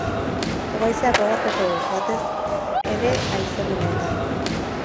Hego-haizeak gogor joko du, batez erehaizeguneetan.